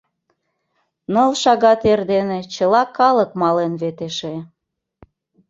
— Ныл шагат эрдене чыла калык мален вет эше.